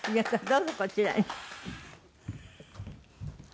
どうぞこちらに。